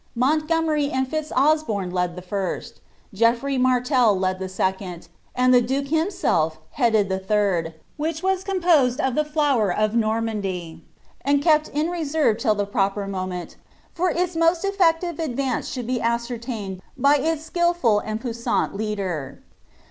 Montgomery and Fitz Oshom led the first, Geoffrey Martel led the second, and the duke him self headed the third, which was composed of the flower of Normandy, and kept in reserve till the proper moment for its most eflective advance should be ascertained by its skilful and puissant leader.